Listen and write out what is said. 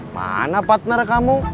mana partner kamu